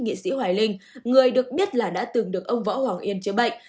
nghệ sĩ hoài linh người được biết là đã từng được ông võ hoàng yên chữa bệnh